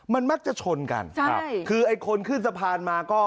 มันมักจะชนกันใช่คือไอ้คนขึ้นสะพานมาก็